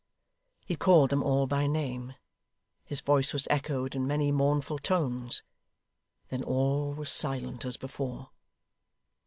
He called them all by name; his voice was echoed in many mournful tones; then all was silent as before.